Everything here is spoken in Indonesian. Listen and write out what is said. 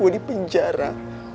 kalo gue di penjara